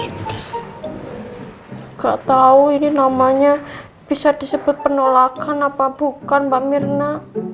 tidak tahu ini namanya bisa disebut penolakan apa bukan mbak mirna